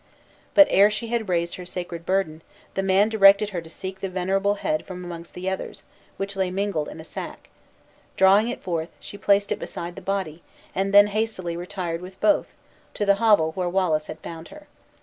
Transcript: But ere she had raised her sacred burden, the man directed her to seek the venerable head from amongst the others, which lay mingled in a sack; drawing it forth, she placed it beside the body, and then hastily retired with both, to the hovel where Wallace had found her.